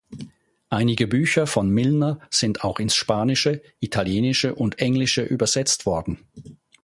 Einige Bücher von Milner sind auch ins Spanische, Italienische und Englische übersetzt worden.